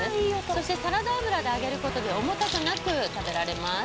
そしてサラダ油で揚げることで重たくなく食べられます